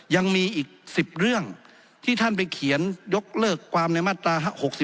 ยังมีอีก๑๐เรื่องที่ท่านไปเขียนยกเลิกความในมาตรา๖๔